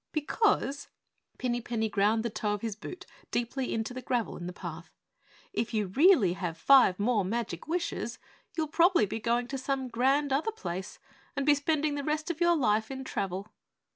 "Because" Pinny Penny ground the toe of his boot deeply into the gravel in the path "if you really have five more magic wishes, you'll probably be going to some grand other place and be spending the rest of your life in travel."